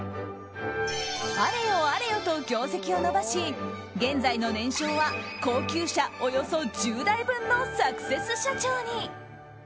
あれよあれよと業績を伸ばし現在の年商は高級車およそ１０台分のサクセス社長に。